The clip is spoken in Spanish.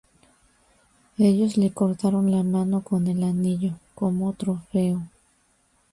Ellos le cortaron la mano con el anillo, como trofeo.